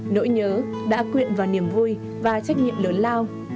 nỗi nhớ đã quyện vào niềm vui và trách nhiệm lớn lao